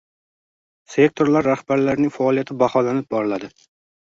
Sektorlar rahbarlarining faoliyati baholanib boriladi